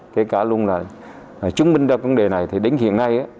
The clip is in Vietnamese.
kể cả luôn là chứng minh ra vấn đề này thì đến hiện nay